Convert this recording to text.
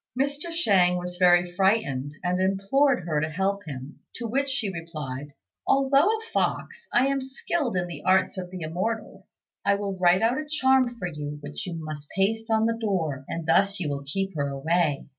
Mr. Shang was very frightened, and implored her to help him; to which she replied, "Although a fox, I am skilled in the arts of the Immortals; I will write out a charm for you which you must paste on the door, and thus you will keep her away."